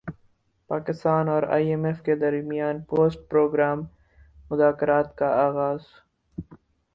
پاکستان اور I M F کے درمیان پوسٹ پروگرام مذاکرات کا اغاز